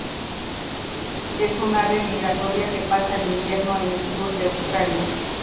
Es un ave migratoria que pasa el invierno en el sur de Australia.